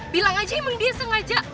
bilang aja emang dia sengaja